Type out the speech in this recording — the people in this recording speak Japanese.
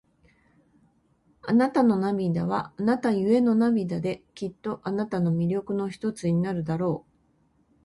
あなたの涙は、あなたゆえの涙で、きっとあなたの魅力の一つになるだろう。